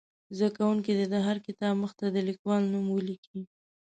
زده کوونکي دې د هر کتاب مخ ته د لیکوال نوم ولیکي.